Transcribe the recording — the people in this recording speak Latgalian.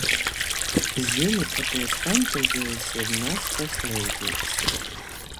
Zyni, ka tuos fantazejis ir nazkas leidzeigs